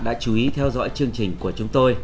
đã chú ý theo dõi chương trình của chúng tôi